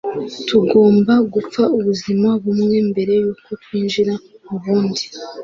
tugomba gupfa ubuzima bumwe mbere yuko twinjira mu bundi